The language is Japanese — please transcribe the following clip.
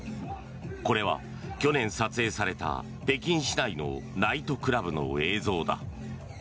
これは去年撮影された北京市内のナイトクラブの映像だ。